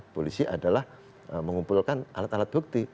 polisi adalah mengumpulkan alat alat bukti